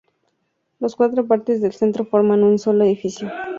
Las cuatro partes del Centro forman un solo edificio, articulado en distintos volúmenes.